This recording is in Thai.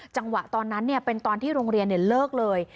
จังหวะตอนนั้นเป็นตอนที่โรงเรียนเลิกเลย